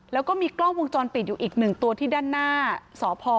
แล้วก็มีกล้องวงจรปิดอยู่อีกหนึ่งตัวที่ด้านหน้าสพ